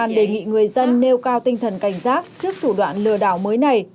nên đi vay mượn xoay sở lấy vốn thanh toán cho các đơn số tiền lớn để hưởng hoa hồng